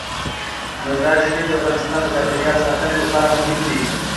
مزارشریف د افغانستان د چاپیریال ساتنې لپاره مهم دي.